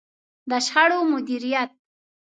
د شخړو مديريت.